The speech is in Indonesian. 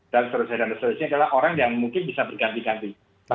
dan seterusnya adalah orang yang mungkin bisa berganti ganti